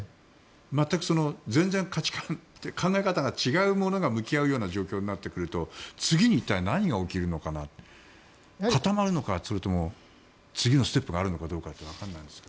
全くその全然、価値観考え方が違うものが向き合うような状況になってくると次に一体、何が起こるのかなと固まるのか、それとも次のステップがあるのかどうかってわからないんですが。